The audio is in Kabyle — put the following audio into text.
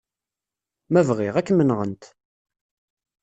Ma bɣiɣ, ad kem-nɣent.